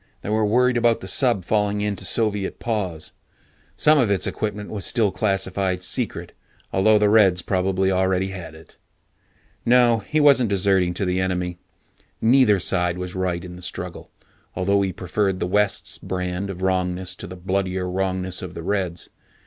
They were worried about the sub falling into Soviet paws. Some of its equipment was still classified "secret", although the Reds probably already had it. No, he wasn't deserting to the enemy. Neither side was right in the struggle, although he preferred the West's brand of wrongness to the bloodier wrongness of the Reds.